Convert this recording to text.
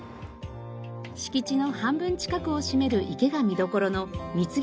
敷地の半分近くを占める池が見どころの見次公園。